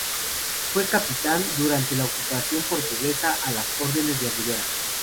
Fue capitán durante la ocupación portuguesa a las órdenes de Rivera.